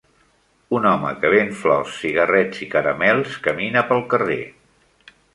Un home que ven flors, cigarrets i caramels camine pel carrer.